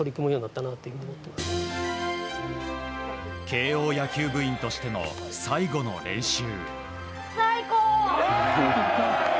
慶應野球部員としての最後の練習。